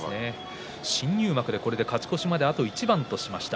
新入幕で勝ち越しまで一番としました。